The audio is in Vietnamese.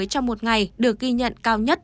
trong một ngày được ghi nhận cao nhất